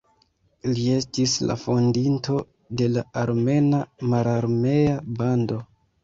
Li estis la fondinto de la "Armena Mararmea Bando".